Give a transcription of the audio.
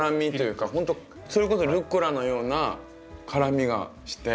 ほんとそれこそルッコラのような辛みがして。